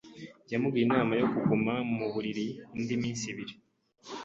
Yamugiriye inama yo kuguma mu buriri indi minsi ibiri.